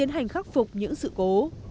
hành khắc phục những sự cố